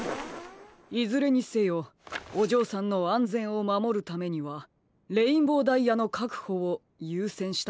いずれにせよおじょうさんのあんぜんをまもるためにはレインボーダイヤのかくほをゆうせんしたほうがいいですね。